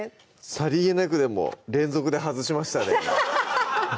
さりげなくでも連続で外しましたね